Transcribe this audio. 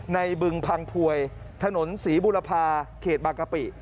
บึงพังพวยถนนศรีบุรพาเขตบางกะปิ